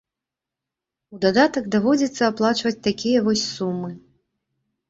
У дадатак даводзіцца аплачваць такія вось сумы.